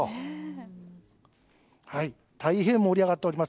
大変盛り上がっております。